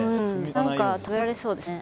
何か食べられそうですね。